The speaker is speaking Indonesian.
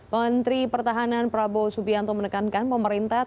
menteri pertahanan prabowo subianto menekankan pemerintah